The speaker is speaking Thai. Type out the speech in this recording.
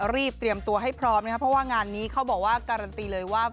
รีบเตรียมตัวให้พร้อมนะครับเพราะว่างานนี้เขาบอกว่าการันตีเลยว่า